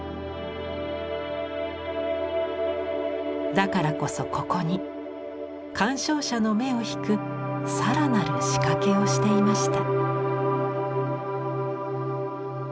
だからこそここに鑑賞者の目を引く更なる仕掛けをしていました。